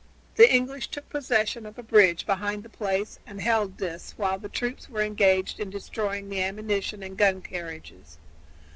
The English took possession of a bridge behind the place and held this while the troops were engaged in destroying the ammunition and gun carriages.